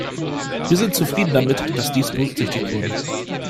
Wir sind zufrieden damit, dass dies berücksichtigt wurde.